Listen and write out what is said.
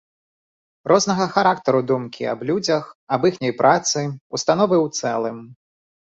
Рознага характару думкі аб людзях, аб іхняй працы, установы ў цэлым.